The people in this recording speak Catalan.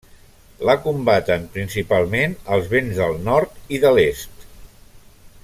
La combaten principalment els vents del nord i de l'est.